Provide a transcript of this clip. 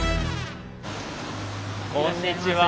こんにちは。